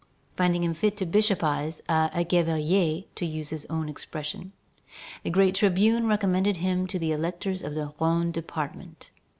Finding him fit to "bishopize" (à evêquailler), to use his own expression, the great tribune recommended him to the electors of the Rhone department.